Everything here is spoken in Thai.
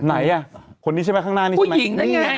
ไหนอ่ะคนนี้ใช่ไหมข้างหน้านี่ใช่ไหม